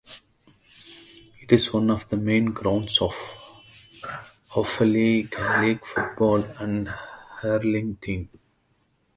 It is one of the main grounds of Offaly's Gaelic football and hurling teams.